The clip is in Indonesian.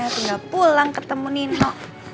tinggal pulang ketemu nino